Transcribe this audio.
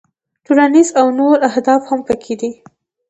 ټولنیز او نور اهداف هم پکې دي.